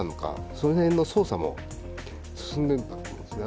その辺の捜査も進んでいるんだと思うんですね